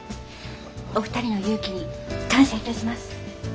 お二人の勇気に感謝致します。